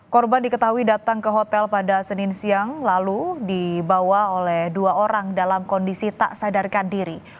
korban diketahui datang ke hotel pada senin siang lalu dibawa oleh dua orang dalam kondisi tak sadarkan diri